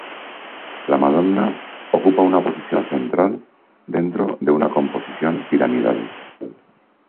La Madonna ocupa una posición central dentro de una composición piramidal.